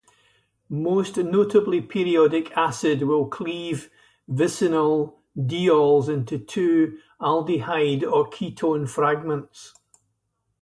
Most notably periodic acid will cleave vicinal diols into two aldehyde or ketone fragments.